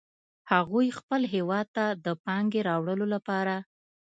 هغوی خپل هیواد ته د پانګې راوړلو لپاره